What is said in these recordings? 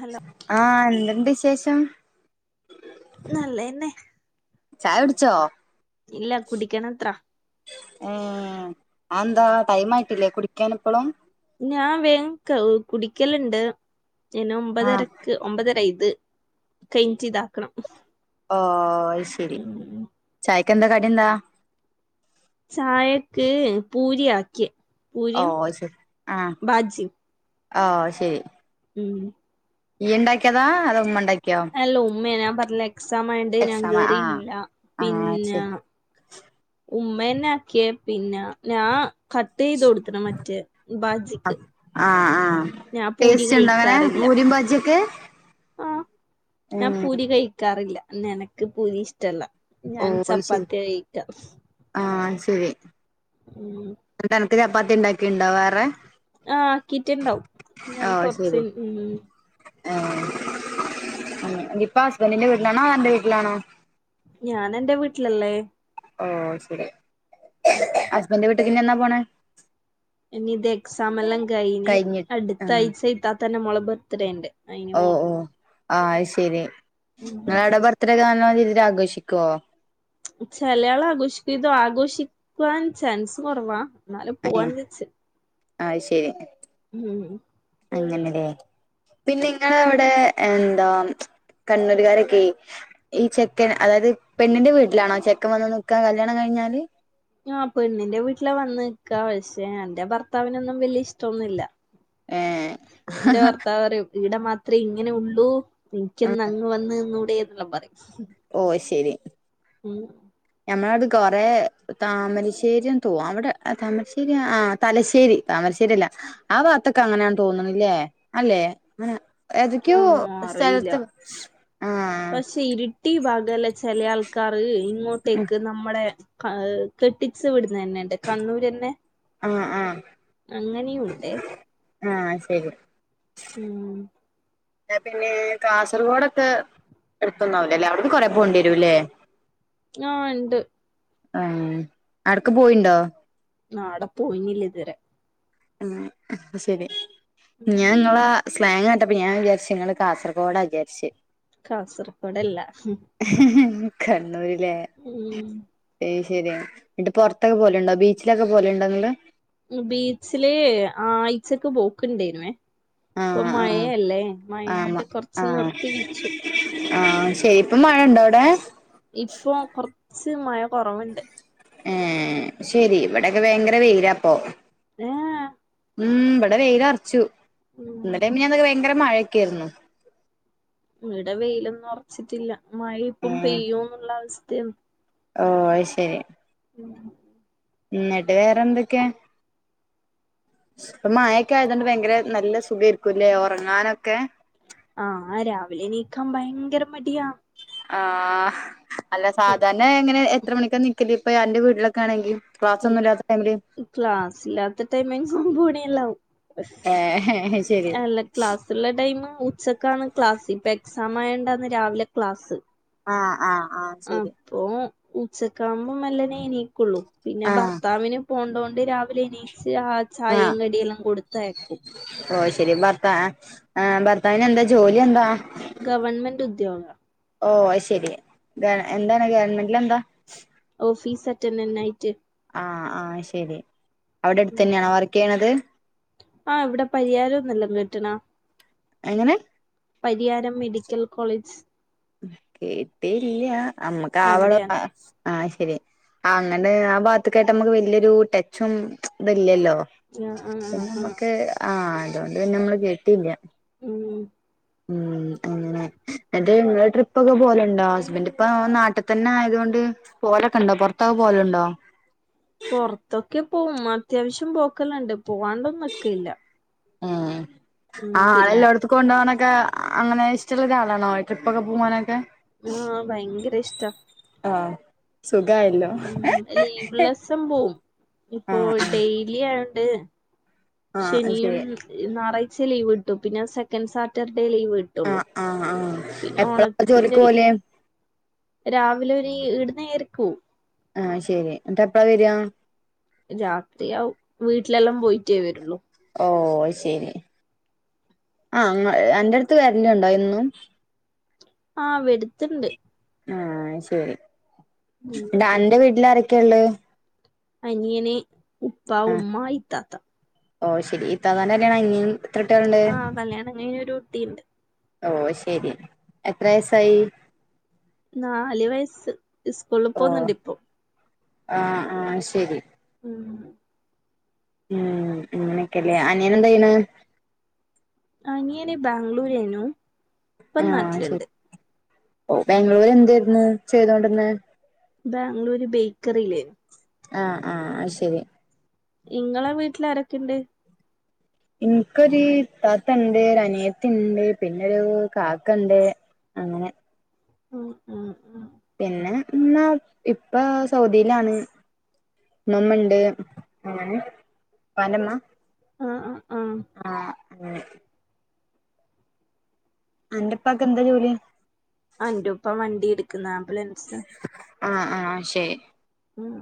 Hello, ആഹ് എന്ത്ണ്ട് വിശേഷം? നല്ലന്നെ, ചായ കുടിച്ചോ? ഇല്ല കുടിക്കാനത്ര ഏഹ എന്താ ടൈം ആയിട്ടില്ലേ കുടിക്കൻ ഇപ്പളും ഞാൻ വേ കുടിക്കലുണ്ട് നെ ആഹ് ഒമ്പതരക്ക് ഒമ്പതരൈത് കഴഞ്ച്ത ആക്കണം ഓഹ ശരി ചായക്ക് എന്താ കടി എന്താ? ചായക്ക് പൂരിയാക്കി ഓ പൂരിയും ബാജിയും ആഹ ശരി ഉം ഈ ഉണ്ടാക്കിയതാ അത ഉമ്മ ഉണ്ടാക്കി അല്ല ഉമ്മയ ഞാൻ പറഞ്ഞില്ല എക്സാം ആയണ്ട് ഞാൻ എക്സാം ആഹ് കേയറീന്നില്ല ആഹ് പിന്നെ [inaudible] ഉമ്മന്നെ ആക്കിയ പിന്നെ ഞാൻ കട്ട് ചെയ്ത് കൊടുത്തണ മറ്റേ ബാജിക്ക് ആഹ ആഹ ഞാൻ പൂരി ടേസ്റ്റ് ഉണ്ട അങ്ങനെ പൂരി ബാജിയൊക്കെ ആഹ ഞാൻ പൂരി കഴിക്കാറില്ല നിനക്ക് പൂരി ഇഷ്ട റ്റല്ല ഓ ഞാൻ അത് ശരി ചപ്പാത്തി കഴിക്ക ആഹ് ശരി ഉം ന്നട്ട് അനക്ക് ചപ്പാത്തി ഉണ്ടാക്കലുണ്ടോ വേറെ ആഹ കിറ്റിണ്ടാവും ആഹ ശരി [unintelligible] ഇപ്പ ഹസ്ബൻറിന്റെ വീട്ടിലാണോ അന്റെ വീട്ടിലാണോ ഞാൻ എൻന്റെ വീട്ടിലള്ളെ ഓ ശരി ഹസ്ബൻഡന്റെ വീട്ടക്ക്ന്നെ പോണ ഇനി ഇത് എക്സാം എല്ലാം കഴിഞ് അടുത്ത ആഹ് അഴ്ച്ച ഇത്താതന്റെ മോളെ ബർത്ത്ഡേ ഉണ്ട് അയിന് ഓ പോണം ഓ ആ അത് ശരി ഉം നിങ്ങള അവിടെ ബർത്ത്ഡേ നല്ല രീതിൽ ആഘോഷിക്കുവോ ചിലയാൾ ആഘോഷിക്ക ഇത ആഘോഷിക്കുവാൻ ചാൻസ് കുറവാ എന്നാലെ പോവാൻ ചച്ച ആഹ ശരി ഉം അങ്ങനെല്ലേ പിന്നെ നിങ്ങ അവിടെ എന്താ കണ്ണൂരുകാരൊക്കെ ഈ ചെക്കൻ അതായത് പെണ്ണിന്റെ വീട്ടിലാണോ ചെക്കൻ വന്ന് നിക്കാ കല്ല്യാണം കഴിഞ്ഞാല് ആ പെണ്ണിന്റെ വീട്ടിലെ വന്ന് നിക്കാ പക്ഷേ എന്റെ ഭർത്താവിനൊന്നും വല്യ ഇഷ്ടംന്നുമില്ല ഏഹ് എന്റെ ഭർത്താവ് പറയും ഇവിടെ മാത്രമേ ഇങ്ങനെ ഉള്ളൂ നിക്കുന്ന വന്ന്ന്നൂടെതെല്ലാം പറയും ഓ ശരി ഉം ഞമ്മള അത് കൊറ താമരശ്ശേരിന്ന് തോന്നും അവിടെ താമരശ്ശേരി ആ തലശ്ശേരി താമരശ്ശേരില്ല ആ വാത്തൊക്കെ അങ്ങനെയാണ് തോന്നണില്ലേ അല്ലേ അങ്ങനെ എതൊക്കെയോ ഉം ആഹ് അറിയില്ല സ്ഥലത്ത് ആഹ ഊട്ടി ഭാഗല്ലെ ചില ആൾക്കാാര് ഇങ്ങോട്ടേക്ക് നമ്മുടെ കെട്ടിച്ചു വിടുന്നുന്നെ ഇണ്ട് കണ്ണൂർന്നെ ആ ആ അങ്ങനെയുണ്ട് ആഹ ശരി ഉം പിന്നെ കാസർഗോഡൊക്കെ എടുത്തൊന്നാവൂലല്ലേ അവിടുക്ക് കുറെ പോണ്ട വരൂല്ലേ ആഹ് ഉണ്ട് ഉം അട്ക്ക് പോയിണ്ടോ ആടെ പോയില്ല ഇതരെ ആഹ് അപ്പോ ശരി ഞാൻ നിങ്ങള സ്ലാങ് കേട്ടപ്പ ഞാൻ വിചാരിച്ച് നിങ്ങള് കാസർകോഡാ വിചാരിച്ച് കാസർകോഡല്ല കണ്ണൂര് ല്ലേ ഉം അയ് ശരി എന്നിട്ട് പുറത്തൊക്കെ പോവാലുണ്ടോ ബീച്ചിലൊക്കെ പോവാലുണ്ടോ നിങ്ങള് ബീച്ചില് ആയിചക്ക് പോക്കുണ്ടായിരുന്നേ ഇപ്പൊ ആഹ് മയയല്ലേ ആഹ് മയയാണ്ട് ആഹ് കുറച്ച് ആഹ് നിർത്തി വെച്ചു ആഹ് ശയിപ്പം മഴ ഉണ്ടോ അവിടെ ഇപ്പൊ കുറച്ച് മഴ കുറവുണ്ട് ഏഹ് ശരി ഇവിടൊക്കെ ഭയങ്കര വെയിലപ്പോ ഏഹ് ഉം ഇവിടെ വെയില് അർച്ചു ഉം ഇന്നലെ മിനിഞ്ഞാന്നൊക്കെ ഭയങ്കര മഴക്കെ ആയിരുന്നു ഇവിടെ വെയിലൊന്നും അർച്ചിട്ടില്ല മഴ ഇപ്പം പെയ്യോന്നുള്ള അവസയാണ് ആഹ് അയ്ശരി ഉം ന്നിട്ട് വേറെന്തെക്കെ ഇപ്പ മയൊക്കെ ആയതുകൊണ്ട് ഭയങ്കര നല്ല സുഖയിരിക്കുല്ലേ ഉറങ്ങാനൊക്കെ ആഹ് രാവിലെ എണീക്കാൻ ഭയങ്കര മടിയാ ആഹ് അല്ല ഉം സാധാരണ എങ്ങനെ എത്ര മണിക്കാ നിക്കല് ഇപ്പൊ അന്റെ വീട്ടിലൊക്കെ ആണെങ്കിൽ ഉം ക്ലാസ്സില്ലാത്ത ടൈമിങ് ഒമ്പത് മണിയെല്ലാവും ഏഹ് ശരി അല്ല ക്ലാസ് സുള്ള ടൈം ഉച്ചക്കാണ് ക്ലാസ് ഇപ്പൊ എക്സാം ആയോണ്ടന്ന് രാവിലെ ക്ലാസ് ആഹ് ആഹ് ആഹ് ശരി അപ്പൊ ഉച്ചക്കാവുമ്പോ മെല്ലനെ എനി ക്കുള്ളു പിന്നെ ആഹ് ഭർത്താവിന് പോണ്ടോണ്ട് രാവിലെ എനീച്ച് ആ ചായയും കടിയെല്ലാം കൊടുത്തയക്കും ഓഹ് ശരി ഭർത്താ ഏഹ് ഭർത്താവിന് എന്താ ജോലി എന്താ ഗവൺമെന്റ് ഉദ്യോഗം ഓഹ് അയ്ശരി എന്താണ് ഗവൺമെന്റിൽ എന്താ ഓഫീസ് അറ്റെന്റന്റയിറ്റ് ആഹ് ആഹ് അയ്ശരി അവിടെ അടുത്ത് തന്നെയണോ വർക്ക് ചെയ്യണത് ആഹ് ഇവിടെ പരിയാരം ന്ന്ല്ലോം കെട്ടിണൊ എങ്ങനെ പരിയാരം മെഡിക്കൽ കോളേജ് കേട്ടില്ല അമ്മക്ക് ആ വളവ് ആ അവിടെയാണ് ആഹ് ശെരി അങ്ങണ്ട് ആ ഭാഗത്തക്കായിട്ട് നമുക്ക് വല്യൊരു ടച്ചും ഇതില്ലല്ലോ ആഹ് ആഹ് പിന്നെ ആഹ് ആഹ് അമ്മക്ക് ആഹ് അതോണ്ട് പിന്നെ നമ്മള് കേട്ടില്ല്യ ഉം ഉം ന്നിട്ട് ഇങ്ങള് ട്രിപ്പ് ഒക്കെ പോലുണ്ടോ ഹസ്ബൻഡ് ഇപ്പൊ നാട്ടിൽ തന്നെ ആയത് കൊണ്ട് പോവലൊക്കെ ഉണ്ടോ പുറത്താക്കെ പോവലുണ്ടോ പുറത്തൊക്കെ പോവും അത്യാവശ്യം പോക്കലുണ്ട് പോവാണ്ടൊന്നും നിക്കാല്ലാ ഉം ആഹ് പിന്നെ ആല്ല ടുത്തു കൊണ്ട് പോവാനൊക്കെ അങ്ങനെ ഇഷ്ട്ടോള്ള ഒരാളണോ ട്രിപ്പോക്കെ പോവാനൊക്കെ ആഹ് ഭയ്ങ്കര ഇഷ്ട ആഹ് സുഖായല്ലോ ഉം ലീവ്ള്ളീസം പോവും ഇപ്പോ ആഹ് ആഹ് ഡെയലി യലി ആയോണ്ട് ആഹ് ശനിയും ശരി ഞായറാഴ്ച ലീവ് കിട്ടും പിന്നെ സെക്കൻഡ് സാറ്റർഡേ ലീവ് കി ആഹാ ആഹ് ആഹാ എപ്പളാ പ്പൊ ജോലിക്ക് പോവല് രാവിലെ ഒരു ഈട്ന്ന് ഏഴരക്കോവും ആഹ് ശരി ന്നട്ട് പ്പഴാ വരിക രാത്രിയാവും വീട്ടിലെല്ലാം പോയിട്ടേ വരുള്ളൂ ഓ ശരി ആ അന്റെടുത്ത് വരല്ണ്ടോ എന്നും ആ വര്ത്തണ്ട് ആഹ് ശരി ഉം ട്ട് അന്റെ വീട്ടില് ആരൊക്കെ ള്ളത് അനിയന് ഉപ്പ ഉമ്മ ഇത്താത്ത ഓഹ് ശെരി ഇത്താത്തന്റെ കല്യാണം കഴിഞ്ഞു എത്രട്ട്യോൾണ്ട് ആഹ് കല്യാണം കഴിഞ്ഞ് ഒരു കുട്ടിയുണ്ട് ഓ ശരി എത്ര വയസ്സായി നാല് വയസ്സ് സ്കൂളിൽ ഓ പോകുന്നുണ്ട് ഇപ്പോ ആഹ് ആഹ് ശരി ഉം ഉം ഇങ്ങനെയൊക്കെയല്ലേ അനിയൻ എന്താ ചെയ്യണ് അനിയന് ബാംഗ്ലൂരായിരിന്നു ഇപ്പം ആഹ് ശരി നാട്ടിലുണ്ട് ഓ ബാംഗ്ലൂര് എന്തായിരുന്നു ചെയ്തോണ്ടിന്നെ ബാംഗ്ലൂര് ബേക്കറിയിലായിരുന്നു ആഹ് ആഹ് അത് ശരി ഇങ്ങളെ വീട്ടിൽ ആരൊക്കെണ്ട് ഇൻക്കൊരു ഇത്താത്തണ്ട് ഒരനിയത്തിണ്ട് പിന്നൊരു കാക്കണ്ട് അങ്ങനെ ഉം ഉം ഉം പിന്നെ ഇമ്മാ ഇപ്പ സൗദിയിലാണ് ഇമ്മമ്മ ഇണ്ട് അങ്ങനെ ഇപ്പാന്റെ ഇമ്മ ആഹ് ആഹ് ആഹ് ആഹ് ഉം അന്റെ ഉപ്പാക്ക് എന്താ ജോലി അന്റുപ്പ വണ്ടി എടുക്കുന്ന് ആംബുലൻസ് ആഹ് ആഹ് ശരി ഉം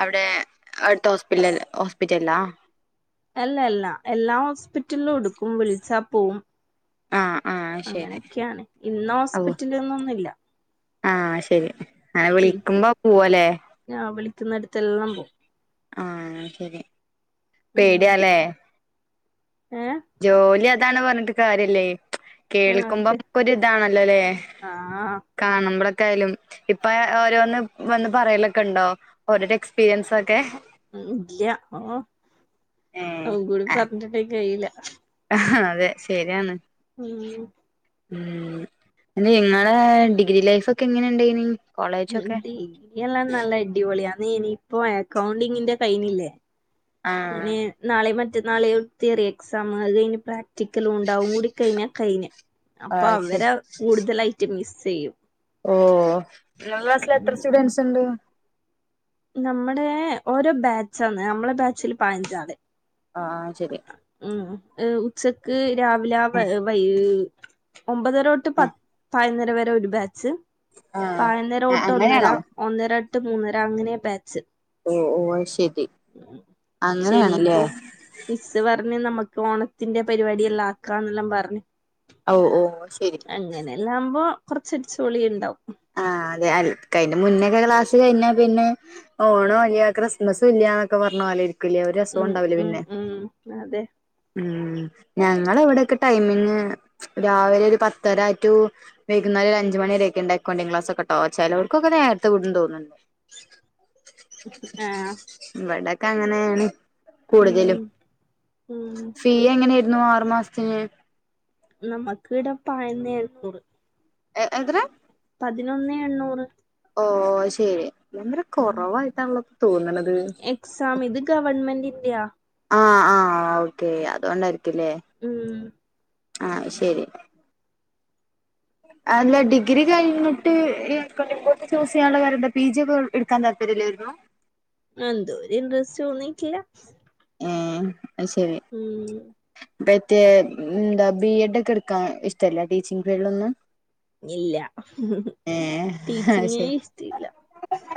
അവിടെ അടുത്ത് ഹോസ്പിറ്റല ഹോസ്പിറ്റലിലാ അല്ല അല്ല എല്ലാ ഹോസ്പിറ്റലിലും എടുക്കും വിളിച്ചാൽ പോവും ആഹ് ആഹ് ശരി അങ്ങനെയൊക്കെയാണ് ഇന്ന ഓ ഹോസ്പിറ്റല് എന്നൊന്നുല്യ ആഹ് ശരി അങ്ങനെ വിളിക്കുമ്പോ വിളിക്കുന്നു പോവല്ലേ ആഹ് വിളിക്കുന്നടുത്തെല്ലാം പോവും ആഹ് ശരി ഉം പേടിയാലേ ഏഹ് ജോലി അതാണ് പറഞ്ഞിട്ട് കാര്യല്ലേ ആഹ് കേൾക്കുമ്പോ അതെ നമ്മക്കൊരു ഇതാണല്ലോല്ലേ ആഹ് കാണുമ്പളൊക്കെ ആയാലും ഇപ്പ ഓരോന്ന് വന്ന് പറയലൊക്കെ ഉണ്ടോ ഓരോരോ എക്സ്പീരിയൻസൊക്കെ ഉം ഇല്യ ഓ ഏഹ് അതും കൂടി പറഞ്ഞിട്ടുണ്ടേ കഴിയില്ല ആഹാ അതെ ശരിയാണ് ഉം ഉം നിങ്ങളെ ഡിഗ്രി ലൈഫ് ഒക്കെ എങ്ങനെ ഉണ്ടായിനി ഉ കോളേജൊക്കെ ഡിഗ്രി എല്ലാം നല്ല അടിപൊളിയാന്ന് ഇനിയിപ്പോ അക്കൗണ്ടിങ്ങിന്റെ കൈഞ്ഞില്ലേ ആഹ് ഇനി നാളീം മറ്റന്നാളീം തിയറി എക്സാമ് അത് കഴിഞ്ഞ് പ്രാക് ടിക്കലും ഉണ്ടാവും അതും കൂടി കഴിഞ്ഞാ കഴിഞ്ഞ് അപ്പൊ ആഹ് ശരി അവരെ കൂടുതലായിട്ട് മിസ് ചെയ്യും ഓ ഇങ്ങളെ ക്ലാസ്സില് എത്ര സ്റ്റുഡന്റ്സ് ഉണ്ട് നമ്മുടെ ഓരോ ബാച്ചാന്ന് നമ്മളെ ബാച്ചില് പയിനഞ്ചാള് ആഹ് ശരി ഉം ഉച്ചക്ക് രാവിലെ വൈ ഒമ്പതര തൊട്ട് പ ആഹ് പതിനൊന്നര വരെ ഒരു ബാച്ച് ആഹ് പയ്ന്നര തൊട്ട് ഒന്നര അങ്ങനെയാണോ ഒന്നര റ്റു മൂന്നര അങ്ങനെയാ ബാച്ച് ഓ ഓ അയ്ശരി ശനി അങ്ങനെയാണല്ലേ ഇപ്പം മിസ്സ് പറഞ്ഞ് നമുക്ക് ഓണത്തിന്റെ പരിപാടി എല്ലാം ആക്കാംന്നെല്ലാം പറഞ്ഞു ഓ ഓ ശെരി അങ്ങനെല്ലാകുമ്പോ കൊറച്ചടിച്ച്പൊളി ഉണ്ടാവും ആഹ് അതെ അൽ കയിന്റെ മുന്നേക്കാ ക്ലാസ് കഴിഞ്ഞാ പിന്നെ ഓണോല്യ ക്രിസ്മസും ഇല്ല്യാന്നൊക്കെ പറഞ്ഞ പോലിരി ക്കൂലേ ഒരു രസോം ഉം ഉണ്ടാവുല ഉം പിന്നെ ഉം അതെ ഉം ഞങ്ങളെ ഇവിടൊക്കെ ടൈമിങ് രാവിലെ ഒരു പത്തര ടു വൈകുന്നേരം ഒര് അഞ്ച്മണി വരൊക്കെ ഉണ്ട കൊണ്ടിങ് ക്ലാസ് ഒക്കെ ട്ടോ ചെലോൽക്കൊക്കെ നേരത്തെവിടുന്ന് തോന്ന്ണ്ട് ആഹ് ഇവിടൊക്കെ അങ്ങനേണ് ഉം കൂടുതലും ഉം ഫീ എങ്ങനെയിരുന്നു ആറു മാസത്തിന് നമ്മക്ക് ഇടെ പഴന്നെ എഴുന്നൂറ് എ എത്ര പതിനൊന്നെ എണ്ണൂറ് ഓ അയ്ശെരി അന്നേരം ഉം കുറവായിട്ടാണല്ലോ തോന്ന്ണത് എക്സാം ഇത് ഗവൺമെന്റിന്റെയാ ആഹ് ആഹ് ഓക്കേ അതുകൊണ്ടായിരിക്കുല്ലേ ഉം ആഹ് ശരി അല്ല ഡിഗ്രി കഴിഞ്ഞിട്ട് [inaudible] ചൂസ് ചെയ്യാനുള്ള കാര്യം എന്താ പി ജി ഒക്കെ എടുക്കാൻ താല്പര്യല്ലായിരുന്നോ എന്തോ ഒര് ഇൻട്രെസ്റ്റ് തോന്നിട്ടില്ല ഉം അത് ശരി ഉം മറ്റേ എന്താ ബി എഡ് ഒക്കെ എടുക്കാൻ ഇഷ്ടല്ലേ ടീച്ചിങ് ഫീൽഡൊന്നും ഇല്ല ഏഹ് അത് ടീച്ചിങ്ങേ ശരി ഇഷ്ടയില്ല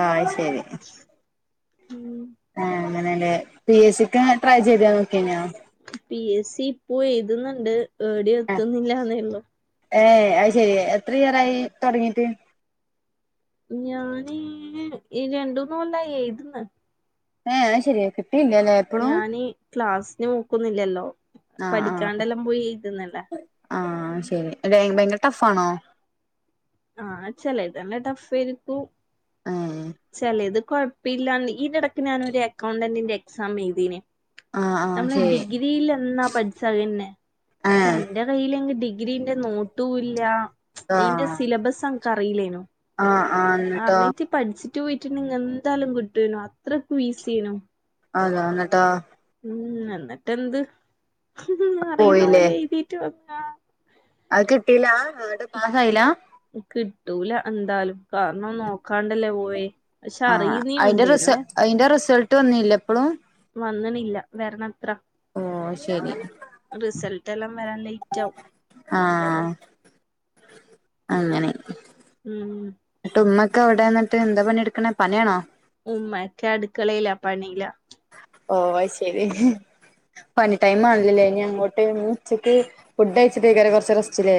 ആഹ് അയ്ശരി ഉം ആഹ് അങ്ങനെല്ലേ പി എസ് സിക്ക് ട്രൈ ചെയ്ത് നോക്കിനോ പി എസ് സി ഇപ്പൊ എഴുതുന്നുണ്ട് എടെയും ആഹ് എത്തുന്നില്ലന്നേ ഉള്ളു ഏഹ് അത് ശരി എത്ര ഇയറായി തുടങ്ങീട്ട് ഞാന് രണ്ടൂന്ന് കൊല്ലായി എഴുത്‌ന്ന് ഏഹ് അത് ശരിയാക് ഞാന് ക്ലാസിന് പോക്കൊന്നും ഇല്ലല്ലോ ആഹ് ആഹ് പഠിക്കാണ്ടെല്ലാം പോയി എയ്ത്‌ന്നല്ലേ ആഹ് അയ്ശരി ഭയ് ഭയങ്കര ടഫാണോ ആഹ് ചെലത് നല്ലേ ടഫായിരിക്കും ആഹ് ചേലെത് കൊഴപ്പില്ലാന്ന് ഈന്റെ ഇടക്ക് ഞാനൊരു അക്കൗണ്ടന്റിന്റെ എക്സാം എഴുതീന് ആഹ് ആഹ് നമ്മള് ശരി ഡിഗ്രിയിൽ എന്നാ പഠിച്ചേ അത് തന്നെ [unintelligible] ഏഹ് എന്റെ കയ്യിലെങ്കി ഡിഗ്രീന്റെ നോട്ടും ഇല്ല ഈന്റെ ആഹ് സിലബസ് എൻക്ക് അറിയില്ലേനു ആഹ് ആഹ് എന്നിട്ടോ അറിഞ്ഞിട്ട് പഠിച്ചിട്ട് പോയിട്ടുണ്ടെങ്കി എന്താലും കിട്ടേനു അത്രക്കും ഈസി ആയിനു അതാ എന്നിട്ടോ ഉം എന്നിട്ടെന്ത് അറിയുന്ന പോയില്ലേ പോലെ എഴുതീറ്റ് വന്ന അത് കിട്ടില ആടെ പാസായില്ല കിട്ടൂല എന്തായാലും കാരണം നോ നോക്കണ്ടല്ലേ പോയെ പക്ഷെ ആഹ് അറിയുന്നേ അയിന്റെ റിസ ഉണ്ടേനുവേ അയിന്റെ റിസൾട്ട് വന്നില്ലേ ഇപ്പളും വന്നണില്ല വരണത്ര ഓ ശരി റിസൾട്ട് എല്ലാം വരാൻ ലെയിറ്റാവും ആഹ് അങ്ങനെ ഉം ന്നിട്ട് ഉമ്മക്ക് അവിടെന്നിട്ട് എന്താ പണിയെടുക്കണേ പണിയാണോ ഉമ്മക്ക് അടുക്കളയില പണിയില ഓ അയ്ശരി പണി ടൈം ആണല്ലല്ലേ ഇനി അങ്ങോ ട്ട് എണിച്ചിട്ട് ഫുഡ് കഴിച്ചിട്ട് കേറി കുറച്ച് നേരം റസ്‌റ്റില്ലേ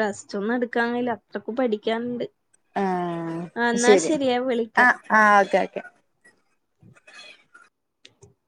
റെസ്റ്റൊന്നും എടുക്കാൻ കഴിയില്ല അത്രക്ക് പഠിക്കാനുണ്ട് ആ ഈഹ് എന്നാ ശരി ഞാൻ വിളിക്കാ ആഹ് ആഹ് ഓക്കെ ഓക്കെ